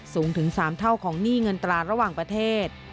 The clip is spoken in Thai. สูงถึง๓เท่าของหนี้เงินตราระหว่างประเทศ